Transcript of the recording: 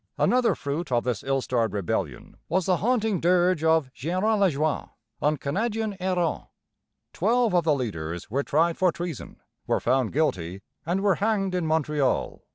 Another fruit of this ill starred rebellion was the haunting dirge of Gérin Lajoie, Un Canadien errant. Twelve of the leaders were tried for treason, were found guilty, and were hanged in Montreal.